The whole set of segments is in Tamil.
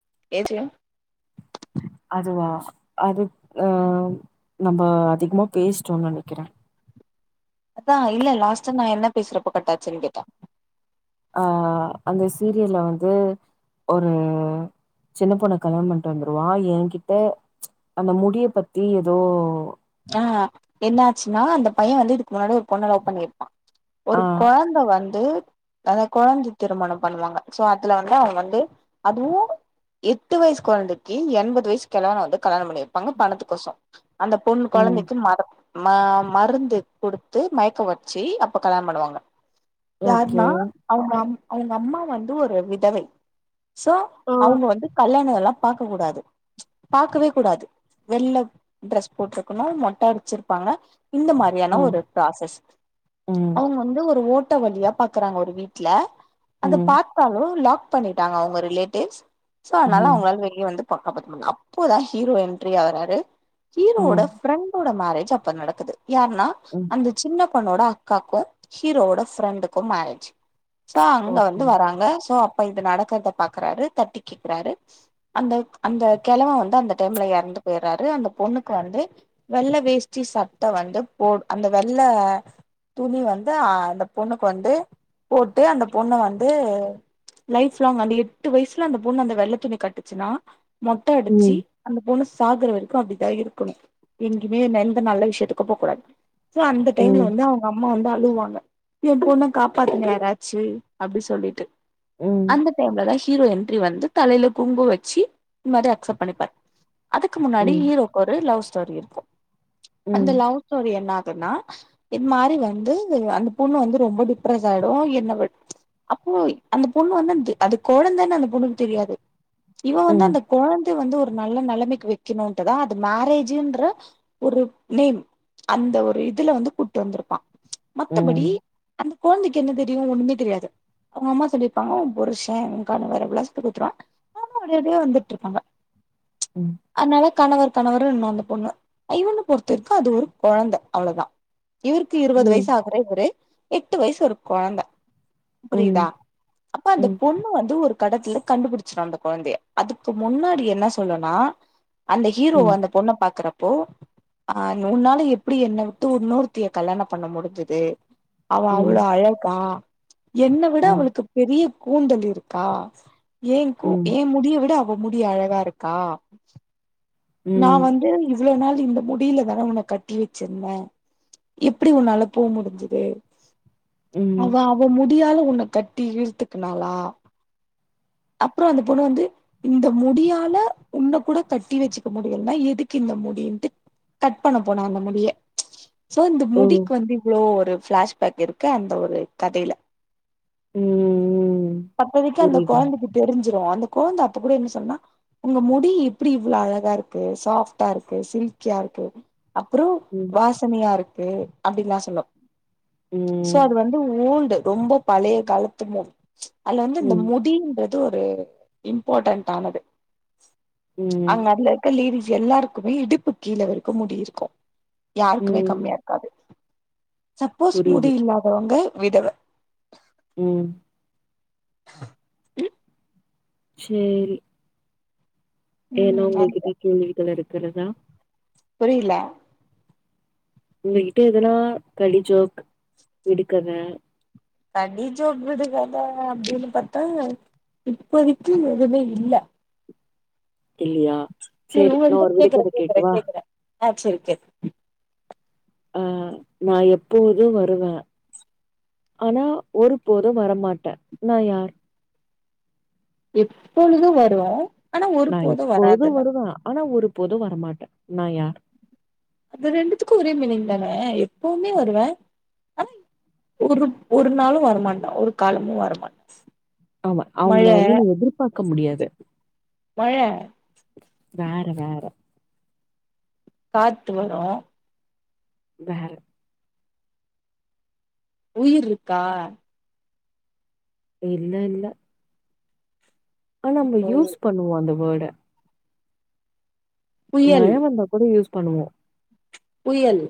[unintelligible] அதுவா அது அ நம்ம அதிகமா பேசிட்டோம்னு நினைக்கிறே அதான் இல்ல லாஸ்ட நான் என்ன பேசுறப்ப கட்டாச்சுன்னு கேட்டா ஆ அந்த சீரியல்ல வந்து ஒரு சின்ன பொண்ணை கல்யாணம் பன்னிட்டு வந்துடுவா என்கிட்ட அந்த முடியை பத்தி ஏதோ ஆ என்ன ஆச்சுன்னா அந்த பையன் வந்து இதுக்கு முன்னாடி ஒரு பொண்ணு லவ் பண்ணி இருப்பா ஒரு ஆ குழந்தை வந் ந்து அந்த குழந்தை திருமணம் பண்ணுவாங்க சோ அதுல வந்து அவங்க வந்து அதுவு எட்டு வயசு குழந்தைக்கு எண்பது வயசு கிழவனை வந்து கல்யாணம் பண்ணி வப்பாங்க பணத்துகோசம் அந்த பொண்ணு ம் குழந்தைக்கு மற மா மாருந்து குடுத்து மயக்க வச்சு அப்ப கல்யாணம் பண்ணுவாங்க ஓகே யாருன்னா அவங்க அம் அவங்க அம்மா வந்து ஒரு விதவை சோ ஆ. அவங்க வந்து கல்யாண இதெல்லாம் பாக்க கூடாது பாக்கவே கூடாது வெள்ள டிரஸ் போட்டிருக்கணு மொட்டா அடிச்சிருப்பாங்க இந்த மாதிரியான ம் ஒரு பிராசஸ் ம் அவங்க வந்து ஒரு ஓட் வழியா பாக்குறாங்க ஒரு வீட்டுல அதை ம் பார்த்தாலு லாக் பண்ணிட்டாங்க அவங்க ரிலேட்டிவ்ஸ் சோ அதனால ம் அவங்களால வெளிய வந்து அப்போதான் ஹீரோ என்டரியாகாரரு ஹீரோஒட ம் ரெண்டோட மேரேஜ் அப்ப நடக்குது யாருன்னா ம் அந்த சின்னப்பொண்ணோட அக்க அக்காக்கும் ஹீரோஓட ப்ரெண்டுக்கும் மேரேஜ் சோ அங்க ஓகே வந்து வராங்க சோ இது நடக்கறத பாக்றாரு தட்டி கேக்றாரு அந்த அந்த கிழவா வந்து அந்த டைம்ல இறந்து போயறாரு அந்த பொண்ணுக் வந்து வெள்ள வேஷ்டி சட்டை வந்து போ அந்த வெள்ளை துணி வந்து அ அந்த பொண்ணுக்கு வந்து போட்டு அந்த பொண்ணு வந்து லைப் லாங் அந்த எட்டு வயசுல அந்த பொண்ணு அந்த வெள்ளை துணி கட்டுச்சுன்னா மொட்டை அடிச்சு ம் அந்த பொண்ணு சாகர வரைக்கும் அப்படிதான் இருக்கு எங்குமே எந்த நல்ல விஷயத்துக்கு போகக்கூடாது அந்த டைம்ல ம் வந்து அவங்க அம்மா வந்து அலுவாங்க ஏ பொண்ண காப்பாத்தூங்களே யாராச்சு அப்டி சொல்லிட்டு ம் அந்த டைம்லத ஹி ஹீரோ என்டரி வந்து தலையையில கும்கு வச்சு இந்த மாதிரி அக்சப்ட் பண்ணிப்பார் அதுக்கு முன்னாடி ம் ஹீரோ ஒரு லவ் ஸ்டோரி இருக்கும் அந்த ம் லவ் ஸ்டோரி என்ன ன்னா இது மாதிரி வந்து அந்த பொண்ணு வந்து ரொம்ப டிப்ரஸ் ஆயிடும் என்ன அப்போ அந்த பொண்ணு வந்து அது கோழந்தானு அந்த பொண்ணுக்கு தெரியாது இவ வந்து ம் அந்த குழந்தை வந்து ஒரு நல்ல நிலைமைக்கு வைக்கணும்ட்டுதா இப் மேராஜீஇன்ற ஒரு நேம் அந்த ஒரு இதுல வந்து கூட்டு வந்திருப்பா ம் மத்தபடி ம் அந்த குழந்தைக்கு என்ன தெரியும் ஒண்ணுமே தெரியாது அவங்க அம்மா சொல்லிருப்பாங்க உன் புருஷ உன் கணவர் அப்டியேலாம் சொல்லி குடுத்துருவங்கா அவளும் அப்டி அப்டியே இருப்பாங்க அத்னால கணவர் தணவரு இன்னு அந்த பொண்ணு ஐவண்ணு பொற்த்திருக்கு அது ஒரு கொழந்த அவ்ளோதா இவுர்க்கு இருவது ம் வயிஸ் ஆகுற இவுரு எட்டு வய்ஸ் ஒரு கொழந்த ப்ரிதா ம் அப்ப அந்த ம் ம் பொண்ணு வந்து ஒரு கடத்துல கண்டுபுடுச்சிட்டோ அந்த கொழுந்திய அதுக்கு முன்னடி என்ன சொல்லுனா அந்த ஹீரோ அந்த பொண்ண பாக்குறப் போ அ உன்னால எப்டி என்ன விட்டு உன்னோர்த்திய கல்லாண பண்ண முடுத்துது அவ அவுளோ அழக்கா என்ன விட ம் அவளுக்கு பெரிய கூந்தல் இருக்கா ஏங்கூ ம் ம் ஏ முடிய விட அவ் ஒ முடி அழகாருக்கா நா ம் வந்து இவ் இவ்ளோ நாள் இந்த முடில தான உன கட்டி வெச்சிர்ந்த எப்டி ஒன்னால போ முடிஞ்சிது ம். அவ அவ முட் டியாலு உன்ன கட்டி இழ்த்துக்குனாளா அப்றொ அந்த பொண்ணு வந்து இந்த முடியால உண்ணக் கூட கட்டி வெச்சி முடியல் நா எதுக்கு இந்த முடின்டு கட் பண்ண போனா அந்த முடிய சோ இந்த ஓ முடிக்கு வந்து இவ்ளோ ஒரு ப்ளாஷ்பேக் இருக்கு அந்த ஒரு கதையில ம் அப்பதிக்கி அந்த புரியுது கொழந்தக்கு தெரிஞ் அந்த கொழ்ந்த அப்ப கூட என்ன சொன்னா உங்க முடி இப்டி இவ்ளோ அழகாரு சாஃப்ட்டா இருக்கு சில்கியாருக்கு அப்றோ ம் வாசனயாரு அப்டின்லா சொல்லு சோ ம் அது வந்து ஓல்டு ரொம்ப பழைய காலத்துமு அல வந்து இந்த ம் முடின்றத் து ஒரு இம்போடன்ட் ஆனது ம் அங்க அதுல இருக்க லேடிஸ் எல்லார்க்குமே இடுப்பு கீழ வர்க்கு முடி இருக்கு யாருக்குமே ம் கம்மியா இருக்காது சப்போஸ் முடி புரியுது இல்லாதவுங்க விதவ ம் உம் சேரி ஏன்னா ம் உங்கள்கிட்ட கேள்விகள் இருக்குறதா புரியில உங்ககிட்ட இதனா களிஜோக் விடுக்கத கடிஜோக் விடுகத அப்டினு பத்தா இப்பொதிக்கி எதுமே இல்ல இல்லையா செரி சேரி நா ஒங்ககிட்ட ஒரு கேக்குற விடுகத கேக்குற கேக்கவா கேக்குற அ செரி கேள் அ நா எப்போது வருவ அனா ஒரு போது வரமாட்ட நா யார் எப்பொழுது வரு ஆனா நா ஒருபோது எப்போது வராதுல்ல வருவ ஆனா ஒரு போது வரமாட்ட நா யார் அது ரெண்டுத்துக்கு ஒரே மினிங் தானே எப்போமே வருவே அனா ஒருப் ஒரு நாளும் வரமாட்டா ஒரு காலமு வரமாட் ஆமா அவுங்ள வந்து நீ எதுர்பாக்க முடியாது மழ வேற வேற காத்து வரு வேர உயிர்ருக்கா இல்லல்ல அ நம்ப இப்போ யூஸ் பண்ணுவோ அந்த வோட மழ புயல் வந்தா கூட யூஸ் பண்ணுவோ புயல்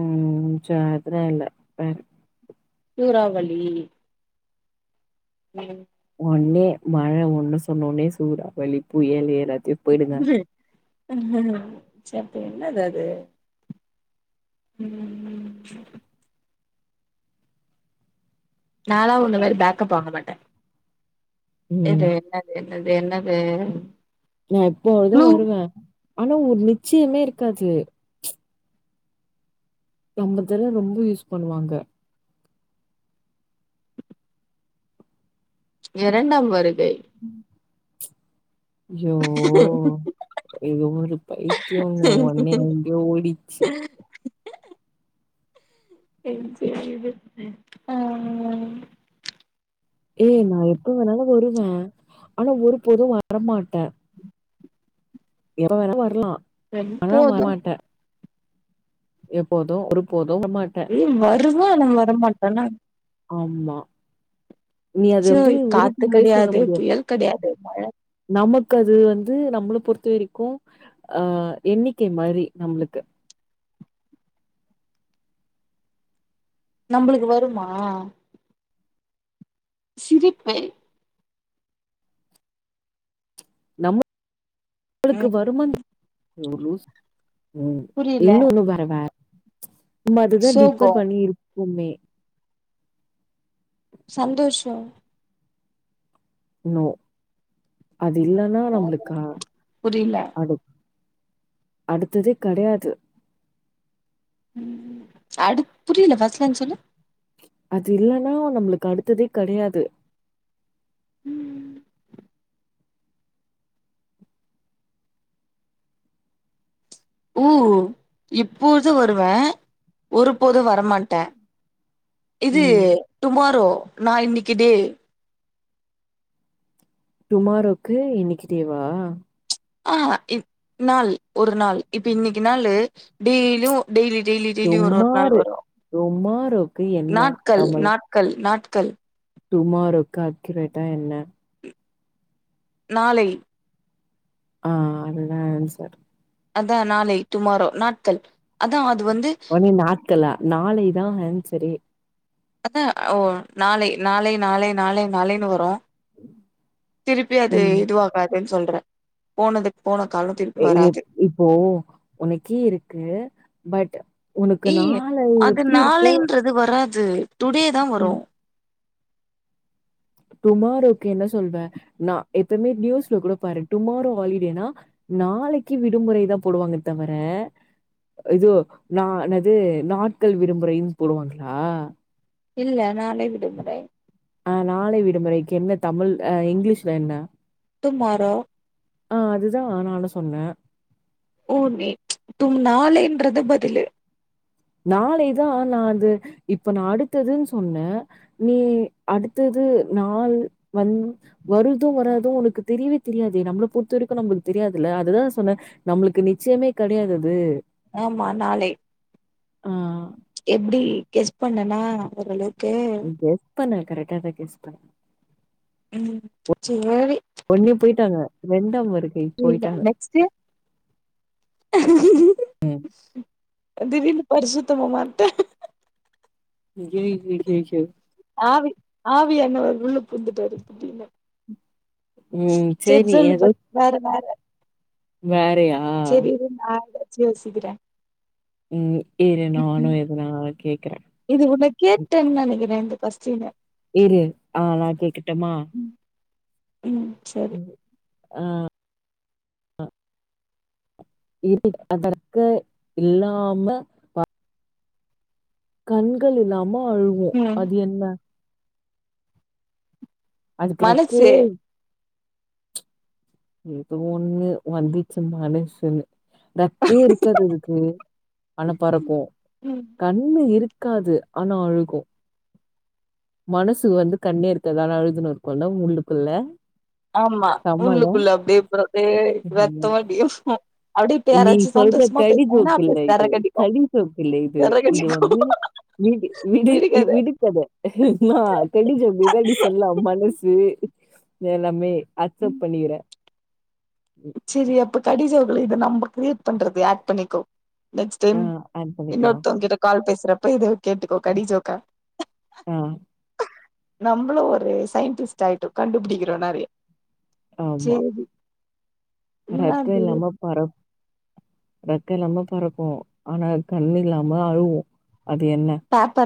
உம் ஜாதரல்லா பர் சூறாவளி உம் ஒன்னு மழை ஒண்ணு சொன்னோன்னே சூறாவலிப்புயலு ஏல்லாத்தையு போயிடுங்க [unintelligible] அதுஅது உம் நாலா உன்ன மாறி பேக்கப் வாங்க மாட்ட ம் எது என்னது அது என்னது நா எப்பயாவுதா க்ளூ வருவ ஆனா ஒரு நிச்சயமே இருக்காது நம்மல்தெல்லா ரொம்ப யூஸ் பண்ணுவாங்க இரண்டாம் வரை உம் யோ இது ஒரு பைத்தியோங்க ஒன்னே எங்கயோ ஓடிச்சி சேரி சேரி விடு ஆஹ் ஏ நா எப்ப வேணாலு வருவ ஆனா ஒரு போது வரமாட்டெ எப்ப வேணாலு வர்லா போது எப்போது ஒரு போது [unintelligible] மாட்ட [unintelligible] உட மாட்டேன்னா ஆமா நீ அது அச்சோ வந்து காத்து உறுப்வே சொல்ல கெடையாது முடியாது புயல் கெடையாது நமக் அது வந்து நம்மள பொறுத்த வரிக்கு அஹ் எண்ணிக்க மாறி நம்ளுக்கு நம்மளுக்கு வருமா சிரிப்பே நம்ம ஊருக்கு ம் வருமா [unintelligible] புரியல இன்னொன்னு வரவா நம்ம அதுதா சோகோ டிப்பன் பண்ணி இருக்குமே சந்தோஷோ நோ அது இல்லன்னா நம்ளுக்கு புரியல அது அடுத்ததே கெடயாது உம் அடு புரில ஃபஸ்ட்ல இருந்து சொல்லு அது இல்லன்னா நம்மளுக்கு அடுத்ததே கெடையாது உம் ஊ இப்போது வருவ ஒருபோது வரமாட்ட இது ம் டுமாரோ நா இன்னைக்குடே டுமாரோக்கு இன்னைக்கு டேவா ஆஹ் இ நாள் ஒரு நாள் இப்ப இன்னைக்கு நாளு டெய்லியு டெய்லி டெய்லி டெய்லி ஒரு ஒரு நாள் டுமாரு வரு டுமாரோக்கு என்ன நாட்கள் தமிழ்? நாட்கள் நாட்கள் டுமாரோக்கு அக்யூரேட்டா என்ன நாளை ஆஹ் அதுதா ஆன்சர் அதா நாளை டுமாரோ நாட்கள் அதா ஒனி நாட்களா நாளைதா ஆன்சரே அதா ஓ நாளை நாளை நாளை நாளை நாளைனு வரு திருப்பி அது ம் இதுவாகாதுன்னு சொல்ற போனதுக் ஏ இப் இப்போ உனக்கீ இருக்கு பட் உனக்கு ஏய் நாள அது எப்டி இருக்கு நாளைன்றது வராது. டுடே தா வரு ம் டுமாரோக்கு என்ன சொல்வே நா எப்பமே நியூஸ்ல கூட பாரு டுமாரோ ஹாலிடேனா நாளைக்கி விடுமுறை தா போடுவாங்க தவர இதோ நானது நாட்கள் விடுமுறைனு போடுவாங்களா இல்ல நாளை விடுமுறை ஆ நாளை விடுமுறைக்கு என்ன தமிழ் அ இங்கிலீஷ்ல என்ன டுமாரோ ஆ அதுதா நானு சொன்ன ஓ நே தும் நாளைன்றது பதிலு நாளைதா நா அது இப்ப நா அடுத்ததுன்னு சொன்னே நீ அடுத்தது வந்து நாள் வந் வருது வராது உனக்கு தெரியவே தெரியாதே நம்மள பொறுத்த வரைக்கு நம்மளுக்கு தெரி கிடயாதுல்ல அதுதா சொன்னே நம்மளுக்கு நிச்சயமே கிடையாதது ஆமா நாளை ஆ எப்டி கெஸ் பண்ணேனா ஓரளவுக்கு கரெக்டாதா கெஸ் பண்ணே ம் சேரி வெந்தமுரு இல்ல நெக்ஸ்டு திடீர்னு பரிசுத்தமா மாறிட்டே கெய் கெய் கெய் கெயோ ஆவி ஆவி ஆனவர் உள்ள பூந்துட்டாரு திடீர்ன்னு ம் செரி சரி சொல்லு ஏதோ ப வேற வேற வேறயா சரி இரு நா ஏதாச்சி யோசிக்கிறே ம் இரு ம்ஹூ நானும் எதுனா கேட்கிறேன். இது உன்ன கேட்டேன்னு நினைக்கிறே இத பஸ்ட் இரு ஆ நான் கேட்கட்டுமா? ம் ம் சரி ஆ இ அதற்கு இல்லாம வா கண்கள் இல்லாம அழுவோ ம் அது என்ன அதுக்கு ரெக்கயே மனசு ஏதோ ஒண்ணு வந்திச்சு மனஷுனு ரக்கயே இருக்காது அதுக்கு ஆனா பறக்கோ ம் கண்ணு இருக்காது ஆனா அழுகோ மனசு வந்து கண்ணே இருக்காது ஆனா அழுதுணு இருக்கோ உள்ளுக்குள்ள ஆமா செம்மல உள்ளுகுள்ள அப்டிப்பரதே ரத்த வடியோ நீ சொல்ற கடி ஜோக் இல்ல அப்டியே இது சரக்கடிக்கு கடி ஜோக் இல்ல இது இது விறகடிக்கு வந்து விடு விடு இ விடுங்கத விடுகத கு நா கடி ஜோக்தா சொல்லா மனசு எல்லாமே அக்செப் பண்ணிகுறே சரி அப்ப கடிஜோக் இல்ல இத நம்ம கிரியேட் பண்றது ஆட் பண்ணிக்கோ நெக்ஸ்ட் டைம் ஆஹ் ஆட் பண்ணிக்கலாம் இன்னொருத்தவங்க கிட்ட கால் பேசுறப்ப இது கேட்டுக்கோ கடிஜோக்கா ஆஹ் நம்மளு ஒரு சயின்டிஸ்ட் ஆயிட்டோ கண்டுபிடிக்கிறோ நெறைய ஆமா சேரி ரெக்க என்னாது இல்லாம பறக் ரக்க இல்லாம பறக்கோ ஆனா அது கண் இல்லாம அழுவோ அது என்ன ஆ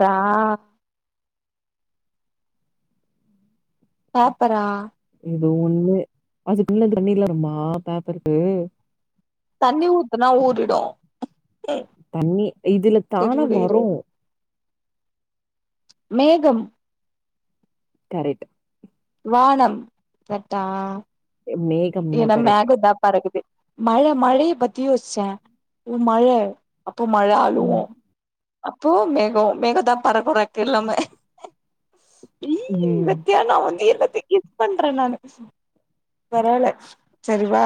பேப்பரா ஏதோ ஒண்ணு அதுக்குள்ளே தண்ணிர் வருமா பேப்பருக்கு தண்ணி ஊத்துனா ஊறிடு தண்ணி இதுல செரி தானா விடு இரு வரு மேகம் ரைட் வானம் கரக்டா மேகம்னா ஏன்னா கரெக்ட் மேக தா பறக்குது மழ மழைய பத்தி யோசிச்சே உ மழ அப்போ மழ அழுவு ம் அப்போ மேகம் மேகம் தா [unintelligible] எல்லாமே ஈஈஈஈ ம் வித்தியா நா வந்து கிஃப்ட்ஸ் பண்றே நானு பரவாலே சேரி வா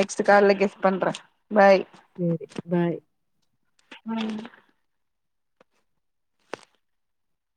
நெக்ஸ்ட் கால்ல கிஃப்ட் பண்ணறே பாய் சேரி பாய் உம்